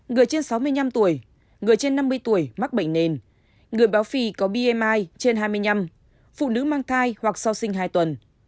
người trên sáu mươi năm tuổi người trên năm mươi tuổi mắc bệnh nền người béo phì có bmi trên hai mươi năm phụ nữ mang thai hoặc sau sinh hai tuần